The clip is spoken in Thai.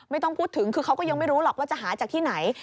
ไม่ต้องพูดถึงคือเขาก็ยังไม่รู้หรอกว่าจะหาจากที่ไหน